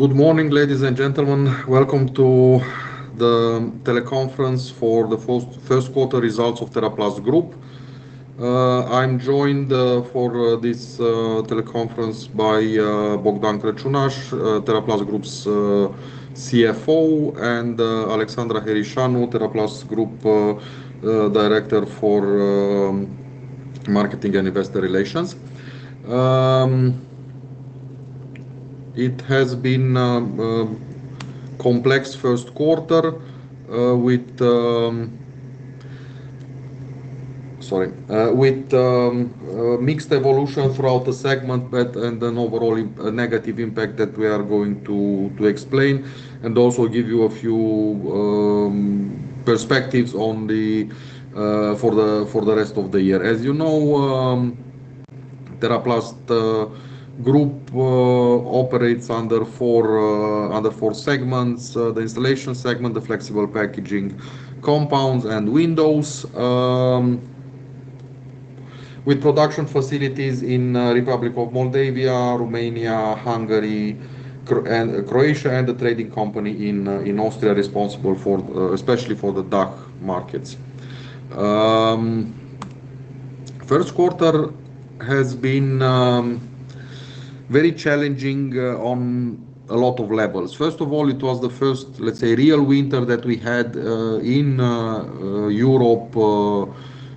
Good morning, ladies and gentlemen. Welcome to the teleconference for the first quarter results of TeraPlast Group. I'm joined for this teleconference by Bogdan Crăciunaș, TeraPlast Group's CFO, and Alexandra Herișanu, TeraPlast Group Director for Marketing and Investor Relations. It has been a complex first quarter, with Sorry. With mixed evolution throughout the segment, and an overall negative impact that we are going to explain and also give you a few perspectives on the for the rest of the year. As you know, TeraPlast Group operates under four segments: the installation segment, the flexible packaging, compounds, and windows, with production facilities in Republic of Moldova, Romania, Hungary, and Croatia, and a trading company in Austria responsible especially for the DACH markets. First quarter has been very challenging on a lot of levels. First of all, it was the first, let's say, real winter that we had in Europe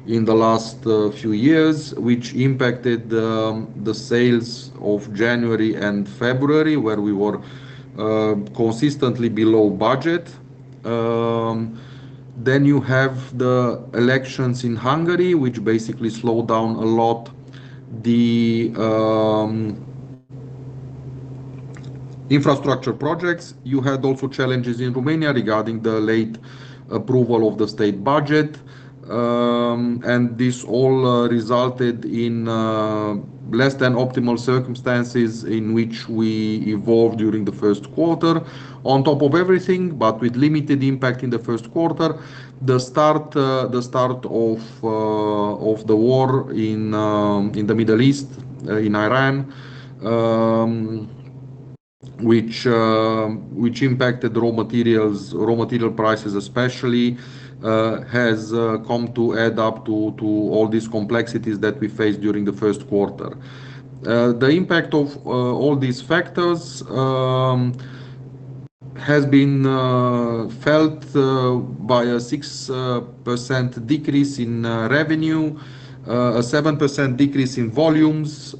in the last few years, which impacted the sales of January and February, where we were consistently below budget. You have the elections in Hungary, which basically slowed down a lot the infrastructure projects. You had also challenges in Romania regarding the late approval of the state budget. This all resulted in less than optimal circumstances in which we evolved during the first quarter. On top of everything, but with limited impact in the first quarter, the start of the war in the Middle East, in Iran, which impacted raw materials, raw material prices especially, has come to add up to all these complexities that we faced during the first quarter. The impact of all these factors has been felt by a 6% decrease in revenue, a 7% decrease in volumes,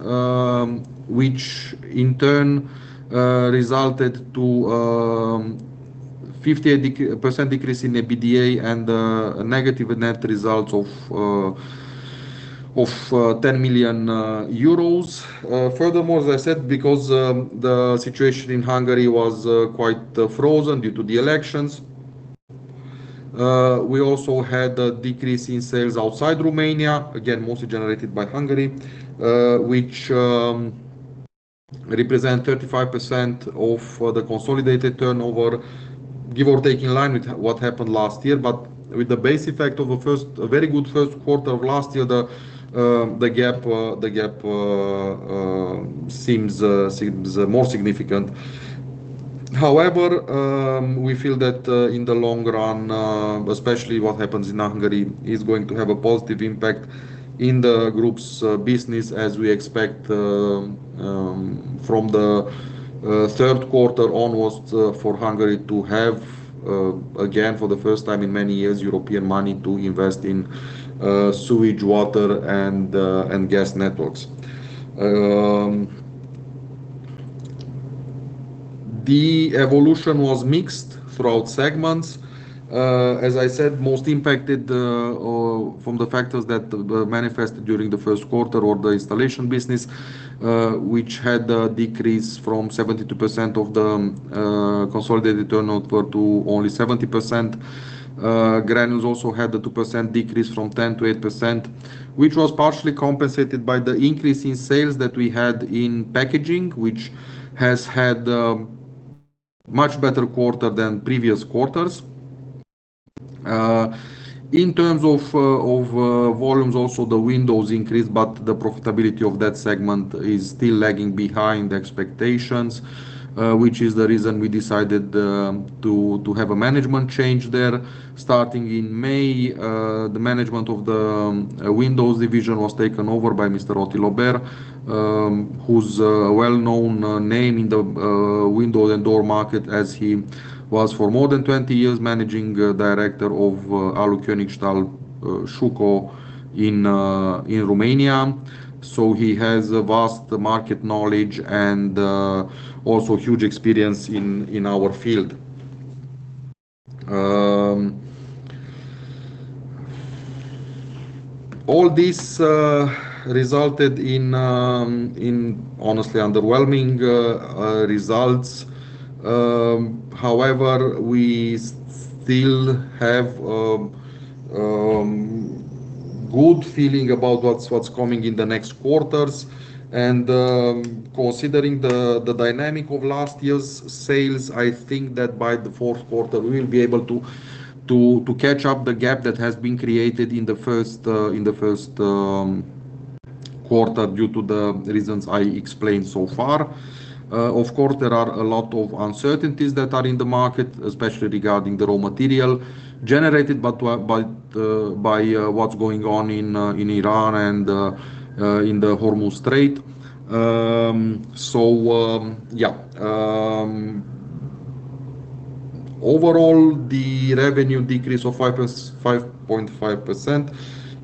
which in turn resulted to a 50% decrease in EBITDA and a negative net result of 10 million euros. Furthermore, as I said, because the situation in Hungary was quite frozen due to the elections, we also had a decrease in sales outside Romania, again, mostly generated by Hungary, which represent 35% of the consolidated turnover, give or take, in line with what happened last year. With the base effect of a very good 1st quarter of last year, the gap seems more significant. However, we feel that in the long run, especially what happens in Hungary, is going to have a positive impact in the group's business as we expect from the 3rd quarter onwards, for Hungary to have again, for the 1st time in many years, European money to invest in sewage, water, and gas networks. The evolution was mixed throughout segments. As I said, most impacted from the factors that were manifested during the first quarter were the installation business, which had a decrease from 72% of the consolidated turnover to only 70%. Granules also had a 2% decrease from 10% to 8%, which was partially compensated by the increase in sales that we had in packaging, which has had a much better quarter than previous quarters. In terms of volumes also, the windows increased, but the profitability of that segment is still lagging behind expectations, which is the reason we decided to have a management change there. Starting in May, the management of the windows division was taken over by Mr. Attila Beer, who's a well-known name in the window and door market as he was for more than 20 years Managing Director of Alukönigstahl /Schüco in Romania. He has a vast market knowledge and also huge experience in our field. All this resulted in honestly underwhelming results. However, we still have a good feeling about what's coming in the next quarters. Considering the dynamic of last year's sales, I think that by the fourth quarter, we will be able to catch up the gap that has been created in the first quarter due to the reasons I explained so far. Of course, there are a lot of uncertainties that are in the market, especially regarding the raw material generated, but by what's going on in Iran and in the Strait of Hormuz. Overall, the revenue decrease of 5.5%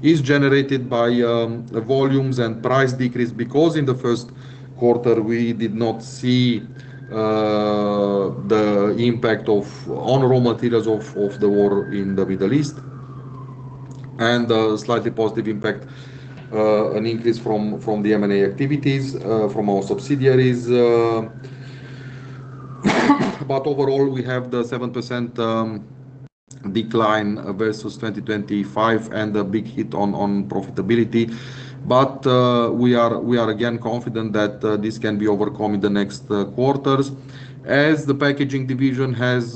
is generated by the volumes and price decrease because in the first quarter we did not see the impact on raw materials of the war in the Middle East and a slightly positive impact, an increase from the M&A activities from our subsidiaries. Overall, we have the 7% decline versus 2025 and a big hit on profitability. We are again confident that this can be overcome in the next quarters as the packaging division has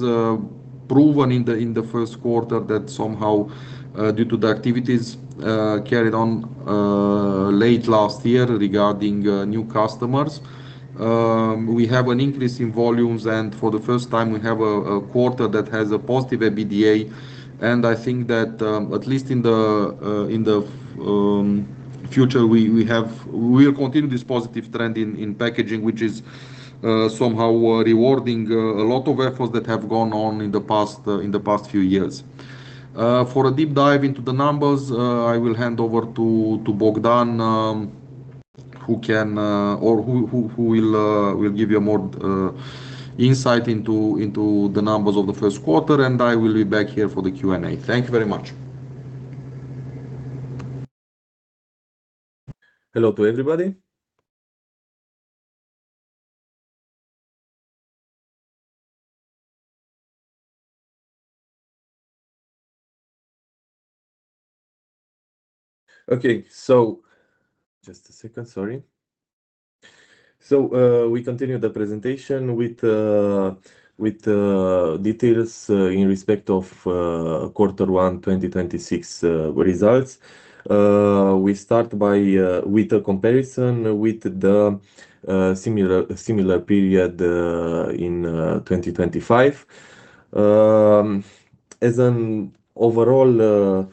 proven in the first quarter that somehow due to the activities carried on late last year regarding new customers. We have an increase in volumes, and for the first time we have a quarter that has a positive EBITDA, and I think that at least in the future, we'll continue this positive trend in packaging, which is somehow rewarding a lot of efforts that have gone on in the past in the past few years. For a deep dive into the numbers, I will hand over to Bogdan, who will give you a more insight into the numbers of the first quarter, and I will be back here for the Q&A. Thank you very much. Hello to everybody. Okay. Just a second. Sorry. We continue the presentation with details in respect of quarter one 2026 results. We start by with a comparison with the similar period in 2025. As an overall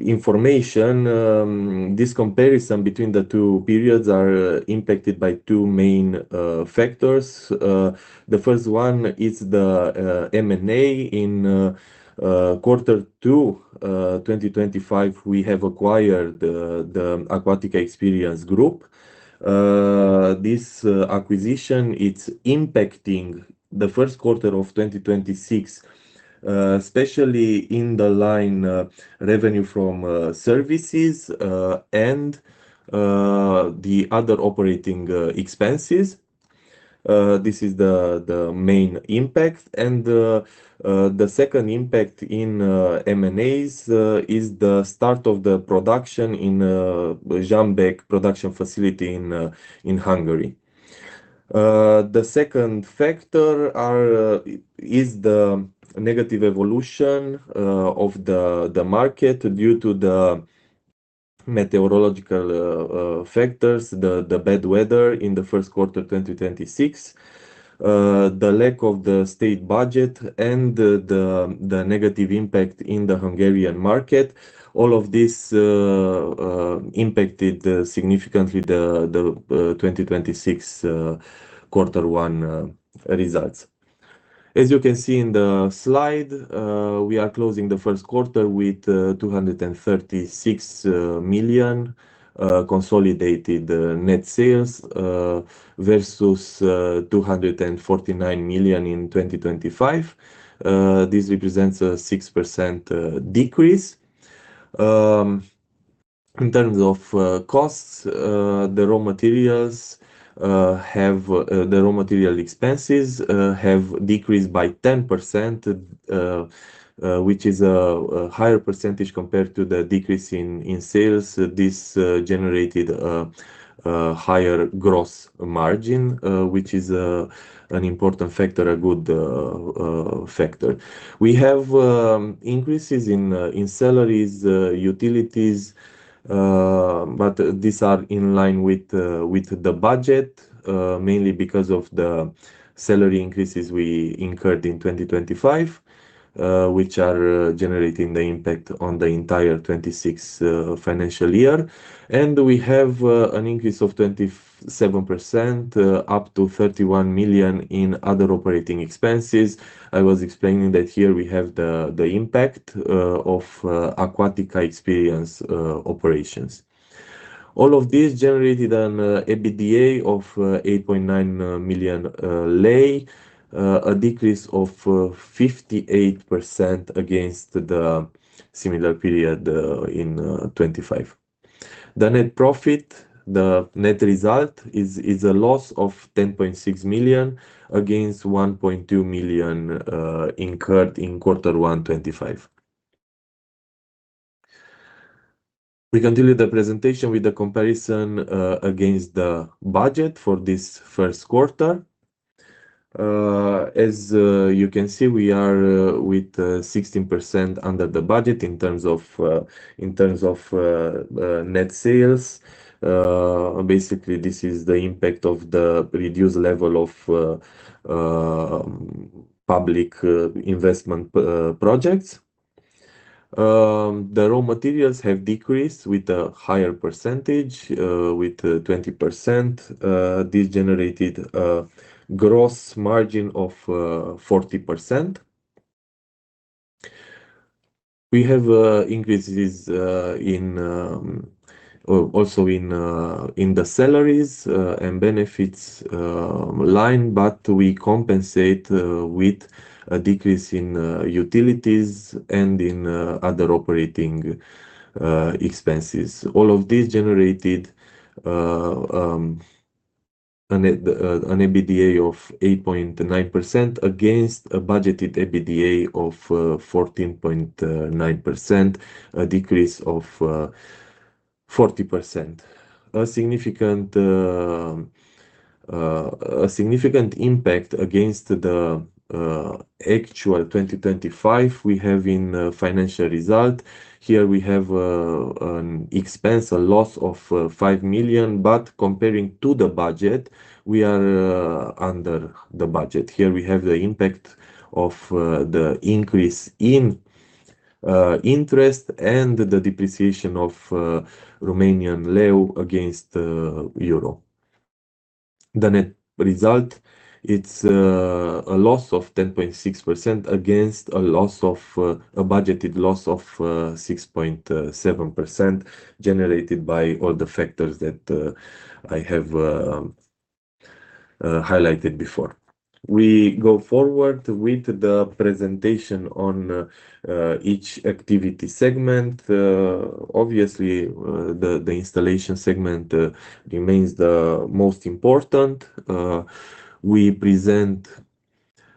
information, this comparison between the two periods are impacted by two main factors. The first one is the M&A in quarter two 2025, we have acquired the Aquatica Experience Group. This acquisition, it's impacting the first quarter of 2026, especially in the line revenue from services and the other operating expenses. This is the main impact. The second impact in M&As is the start of the production in Zsámbék production facility in Hungary. The second factor is the negative evolution of the market due to the meteorological factors, the bad weather in the first quarter 2026, the lack of the state budget and the negative impact in the Hungarian market. All of this impacted significantly the 2026 quarter one results. As you can see in the slide, we are closing the first quarter with RON 236 million consolidated net sales versus RON 249 million in 2025. This represents a 6% decrease. In terms of costs, the raw material expenses have decreased by 10%, which is a higher percentage compared to the decrease in sales. This generated a higher gross margin, which is an important factor, a good factor. We have increases in salaries, utilities, but these are in line with the budget, mainly because of the salary increases we incurred in 2025, which are generating the impact on the entire 2026 financial year. We have an increase of 27% up to RON 31 million in other operating expenses. I was explaining that here we have the impact of Aquatica Experience operations. All of this generated an EBITDA of RON 8.9 million, a decrease of 58% against the similar period in 2025. The net profit, the net result is a loss of RON 10.6 million against RON 1.2 million incurred in quarter one 2025. We continue the presentation with the comparison against the budget for this first quarter. As you can see, we are with 16% under the budget in terms of net sales. Basically, this is the impact of the reduced level of public investment projects. The raw materials have decreased with a higher percentage, with 20%. This generated a gross margin of 40%. We have increases in also in the salaries and benefits line, but we compensate with a decrease in utilities and in other operating expenses. All of these generated an EBITDA of 8.9% against a budgeted EBITDA of 14.9%, a decrease of 40%. A significant impact against the actual 2025 we have in financial result. Here we have an expense, a loss of RON 5 million, but comparing to the budget, we are under the budget. Here we have the impact of the increase in interest and the depreciation of Romanian leu against Euro. The net result, it's a loss of 10.6% against a loss of a budgeted loss of 6.7% generated by all the factors that I have highlighted before. We go forward with the presentation on each activity segment. Obviously, the installation segment remains the most important. We present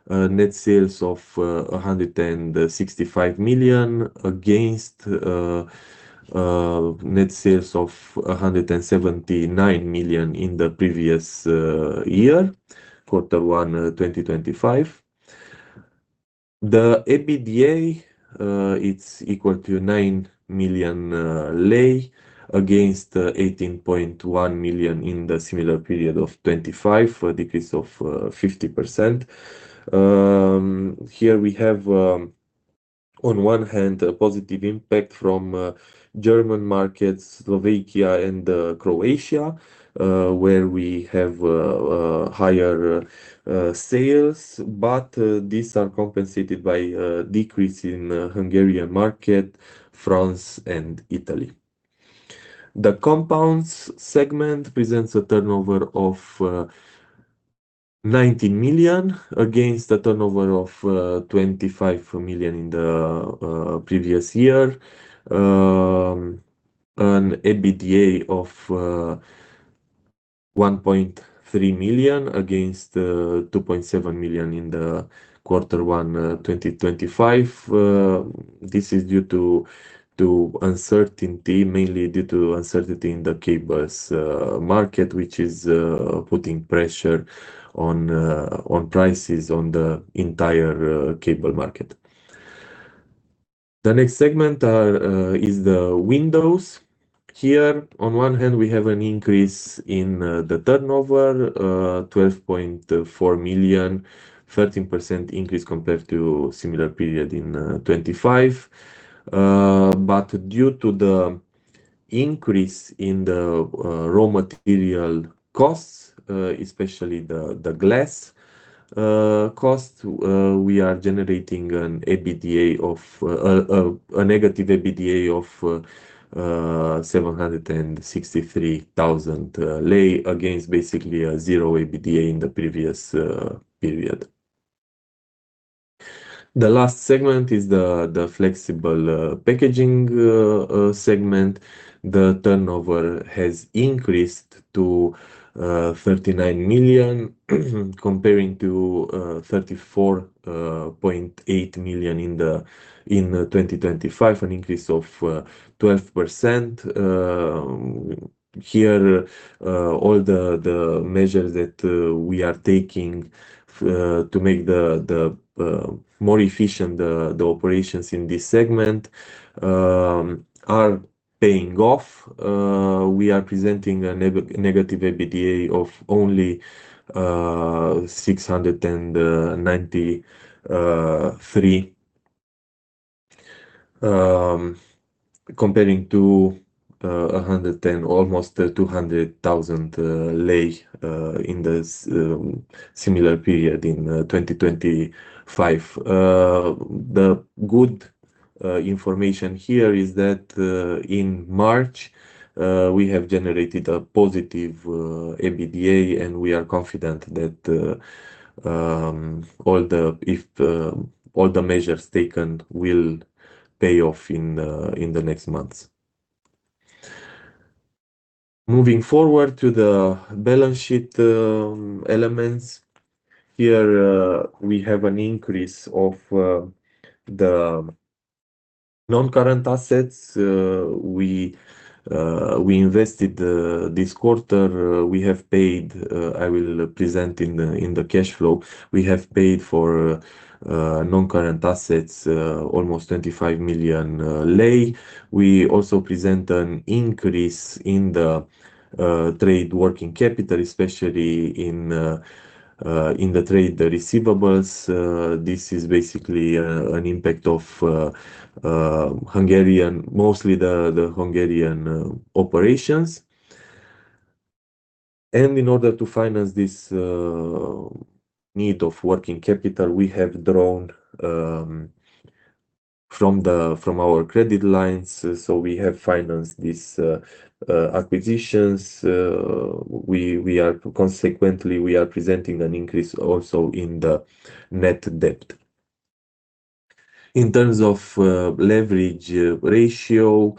net sales of RON 165 million against net sales of RON 179 million in the previous year, quarter one, 2025. The EBITDA, it's equal to RON 9 million against RON 18.1 million in the similar period of 2025, a decrease of 50%. Here we have, on one hand, a positive impact from German markets, Slovakia and Croatia, where we have higher sales, but these are compensated by a decrease in Hungarian market, France and Italy. The compounds segment presents a turnover of RON 19 million against a turnover of RON 25 million in the previous year. An EBITDA of RON 1.3 million against RON 2.7 million in the quarter one 2025. This is due to uncertainty, mainly due to uncertainty in the cables market, which is putting pressure on prices on the entire cable market. The next segment are the windows. Here, on one hand, we have an increase in the turnover, RON 12.4 million, 13% increase compared to similar period in 2025. Due to the increase in the raw material costs, especially the glass cost, we are generating an EBITDA of a negative EBITDA of RON 763,000 against basically a zero EBITDA in the previous period. The last segment is the flexible packaging segment. The turnover has increased to RON 39 million comparing to RON 34.8 million in 2025, an increase of 12%. Here, all the measures that we are taking to make the operations in this segment more efficient are paying off. We are presenting a negative EBITDA of only 693 lei, comparing to 110 lei, almost 200,000 lei in the similar period in 2025. The good information here is that in March, we have generated a positive EBITDA, and we are confident that all the measures taken will pay off in the next months. Moving forward to the balance sheet elements. Here, we have an increase of the non-current assets, we invested this quarter. We have paid, I will present in the cash flow. We have paid for non-current assets almost 25 million lei. We also present an increase in the trade working capital, especially in the trade receivables. This is basically an impact of Hungarian, mostly the Hungarian operations. In order to finance this need of working capital, we have drawn from our credit lines. We have financed these acquisitions. We are consequently we are presenting an increase also in the net debt. In terms of leverage ratio,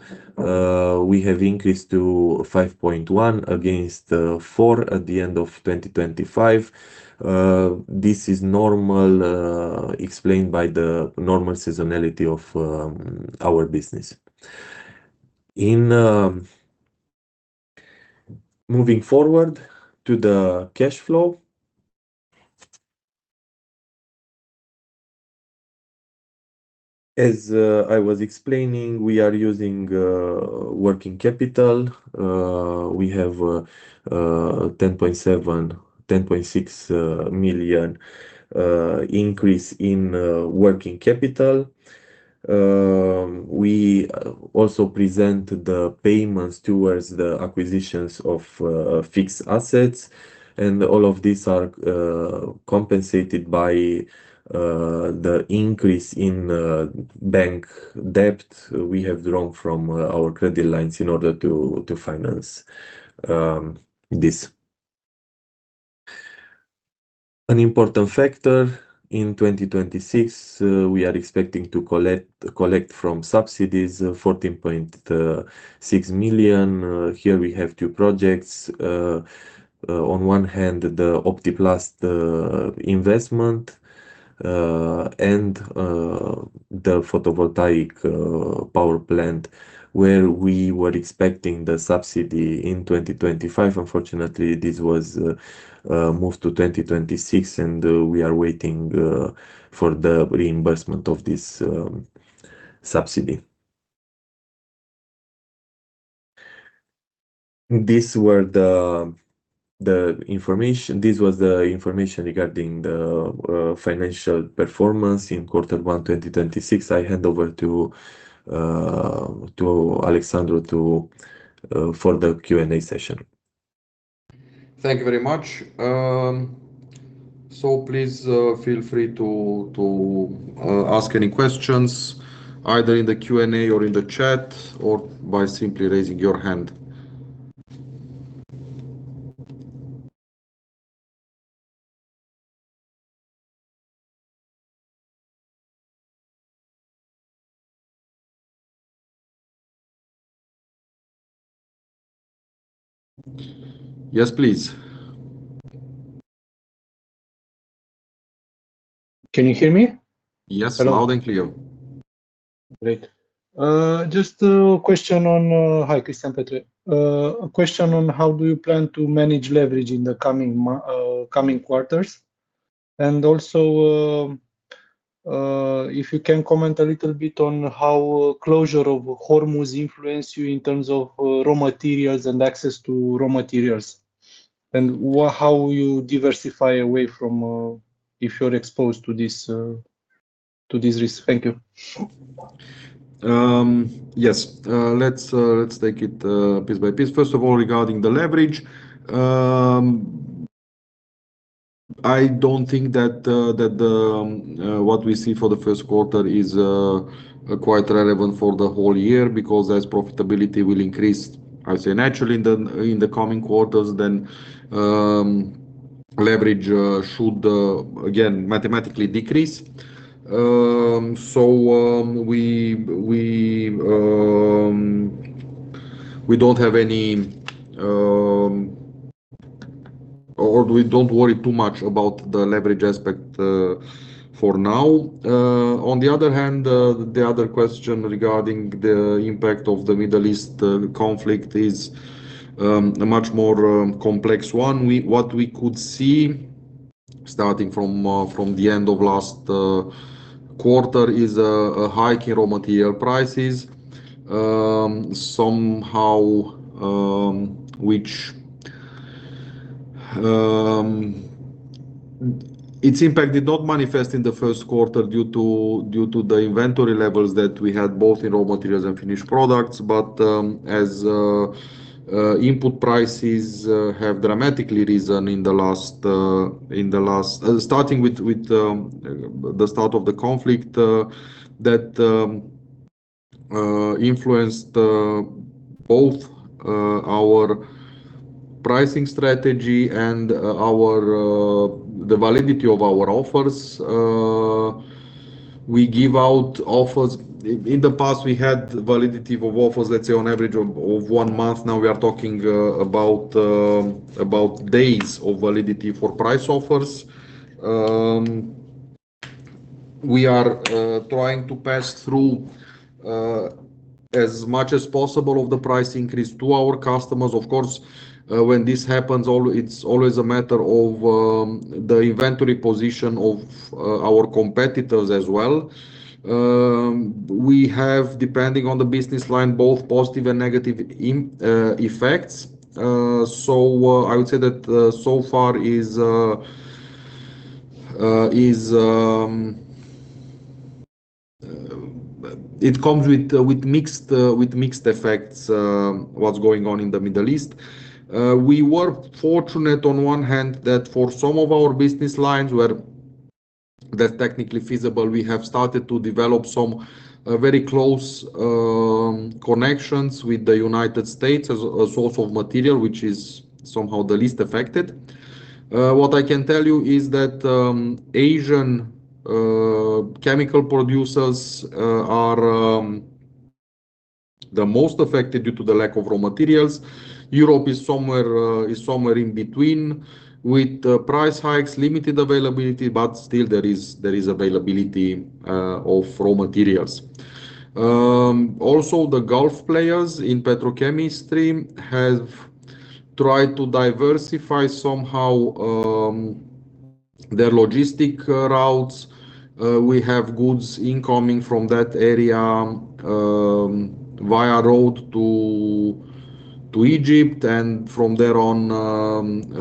we have increased to 5.1 against four at the end of 2025. This is normal, explained by the normal seasonality of our business. Moving forward to the cash flow. As I was explaining, we are using working capital. We have RON 10.7 million, RON10.6 million increase in working capital. We also present the payments towards the acquisitions of fixed assets. All of these are compensated by the increase in bank debt we have drawn from our credit lines in order to finance this. An important factor in 2026, we are expecting to collect from subsidies, RON 14.6 million. Here we have two projects. On one hand, the Optiplast investment, and the photovoltaic power plant, where we were expecting the subsidy in 2025. Unfortunately, this was moved to 2026, and we are waiting for the reimbursement of this subsidy. This was the information regarding the financial performance in quarter one 2026. I hand over to Alexandru for the Q&A session. Thank you very much. Please, feel free to ask any questions, either in the Q&A or in the chat, or by simply raising your hand. Yes, please. Can you hear me? Yes. Hello. Loud and clear. Great. Just a question on, Hi, Cristian Petre. A question on how do you plan to manage leverage in the coming quarters? Also, if you can comment a little bit on how closure of Hormuz influence you in terms of raw materials and access to raw materials. How you diversify away from, if you're exposed to this, to this risk? Thank you. Yes. Let's take it piece by piece. First of all, regarding the leverage, I don't think that what we see for the first quarter is quite relevant for the whole year, because as profitability will increase, I'll say naturally in the coming quarters, then leverage should again, mathematically decrease. So, we don't have any, or we don't worry too much about the leverage aspect for now. On the other hand, the other question regarding the impact of the Middle East conflict is a much more complex one. What we could see, starting from the end of last quarter, is a hike in raw material prices, somehow, which its impact did not manifest in the first quarter due to the inventory levels that we had both in raw materials and finished products. As input prices have dramatically risen in the last, starting with the start of the conflict, that influenced both our pricing strategy and our the validity of our offers. We give out offers. In the past, we had validity of offers, let's say on average of one month. Now we are talking about days of validity for price offers. We are trying to pass through as much as possible of the price increase to our customers. Of course, when this happens it's always a matter of the inventory position of our competitors as well. We have, depending on the business line, both positive and negative effects. I would say that so far It comes with mixed effects what's going on in the Middle East. We were fortunate on one hand that for some of our business lines where that's technically feasible, we have started to develop some very close connections with the United States as a source of material, which is somehow the least affected. What I can tell you is that Asian chemical producers are the most affected due to the lack of raw materials. Europe is somewhere in between with price hikes, limited availability, but still there is availability of raw materials. Also the Gulf players in petrochemistry have tried to diversify somehow their logistic routes. We have goods incoming from that area via road to Egypt and from there on,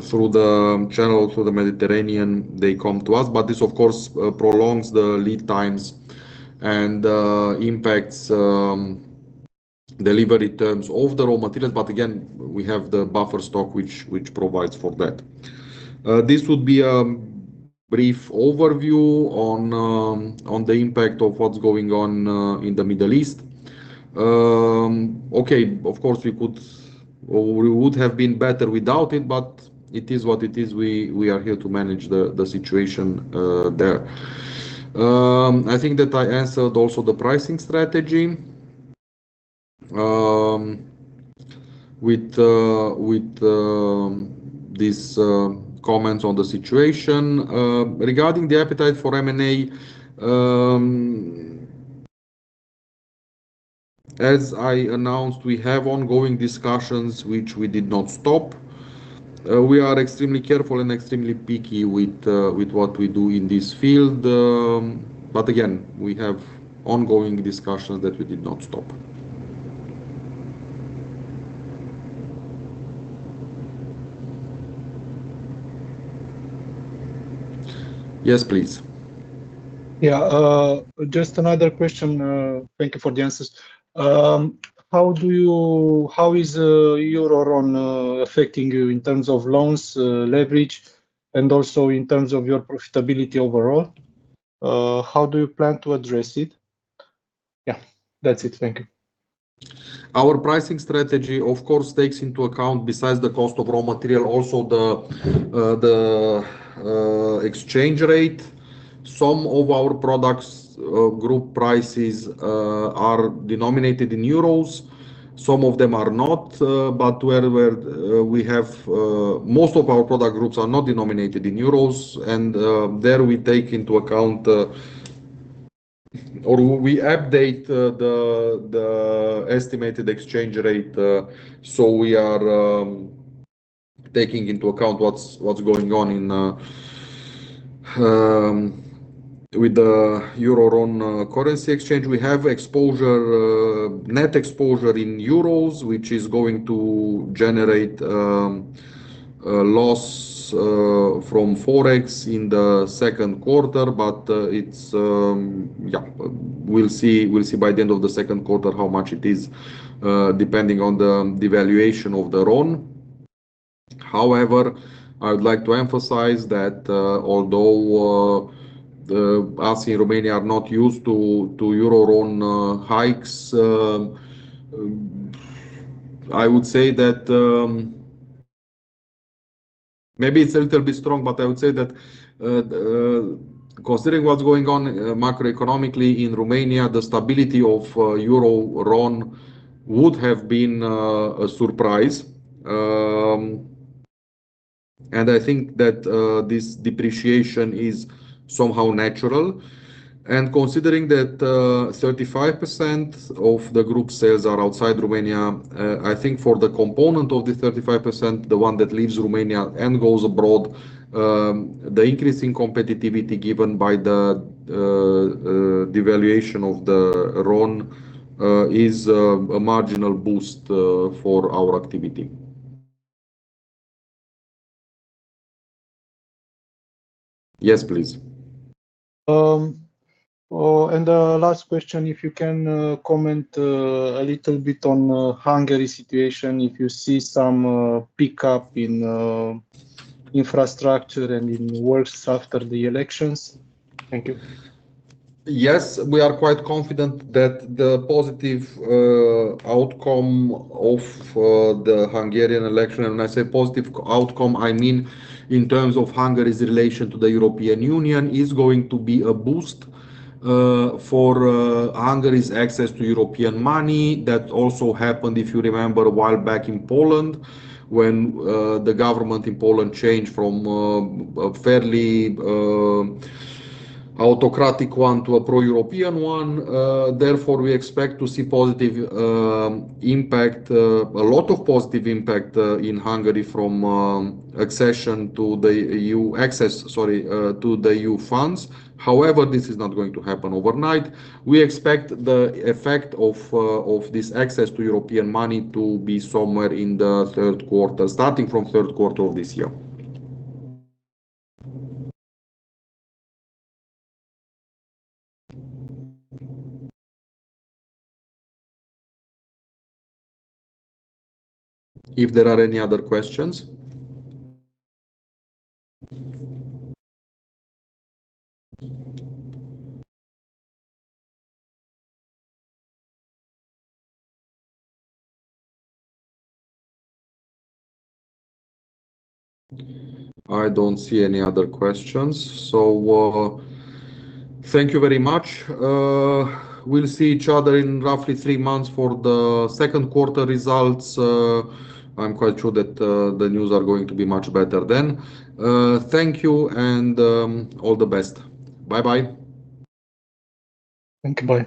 through the channel, through the Mediterranean, they come to us. This, of course, prolongs the lead times and impacts delivery terms of the raw materials. Again, we have the buffer stock which provides for that. This would be a brief overview on the impact of what's going on in the Middle East. Okay, of course, We would have been better without it, but it is what it is. We are here to manage the situation, there. I think that I answered also the pricing strategy with these comments on the situation. Regarding the appetite for M&A, as I announced, we have ongoing discussions which we did not stop. We are extremely careful and extremely picky with what we do in this field. Again, we have ongoing discussions that we did not stop. Yes, please. Just another question. Thank you for the answers. How is EUR/RON affecting you in terms of loans, leverage, and also in terms of your profitability overall? How do you plan to address it? That's it. Thank you. Our pricing strategy, of course, takes into account, besides the cost of raw material, also the exchange rate. Some of our products, group prices, are denominated in euros, some of them are not. Most of our product groups are not denominated in euros, there we take into account or we update the estimated exchange rate. We are taking into account what's going on with the EUR/RON currency exchange. We have exposure, net exposure in euros, which is going to generate a loss from Forex in the second quarter. We'll see by the end of the second quarter how much it is, depending on the devaluation of the RON. However, I would like to emphasize that, although us in Romania are not used to EUR/RON hikes, I would say that Maybe it's a little bit strong, but I would say that, considering what's going on macroeconomically in Romania, the stability of EUR/RON would have been a surprise. I think that this depreciation is somehow natural. Considering that 35% of the group sales are outside Romania, I think for the component of the 35%, the one that leaves Romania and goes abroad, the increase in competitivity given by the devaluation of the RON, is a marginal boost for our activity. Yes, please. The last question, if you can comment a little bit on Hungary's situation, if you see some pickup in infrastructure and in works after the elections. Thank you. Yes. We are quite confident that the positive outcome of the Hungarian election, and I say positive outcome, I mean in terms of Hungary's relation to the European Union, is going to be a boost for Hungary's access to European money. That also happened, if you remember, a while back in Poland when the government in Poland changed from a fairly autocratic one to a pro-European one. Therefore, we expect to see positive impact, a lot of positive impact in Hungary from access to the E.U. funds. However, this is not going to happen overnight. We expect the effect of this access to European money to be somewhere in the third quarter, starting from third quarter of this year. If there are any other questions. I don't see any other questions. Thank you very much. We'll see each other in roughly three months for the second quarter results. I'm quite sure that the news are going to be much better then. Thank you and all the best. Bye-bye. Thank you. Bye.